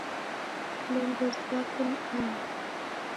Kilongozi wako ni ani?